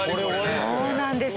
そうなんです！